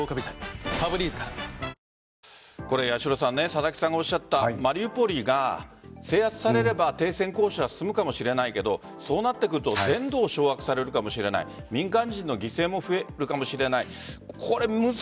佐々木さんがおっしゃったマリウポリが制圧されれば停戦交渉は進むかもしれないけどそうなってくると全土を掌握されるかもしれない民間人の犠牲も増えるかもしれない。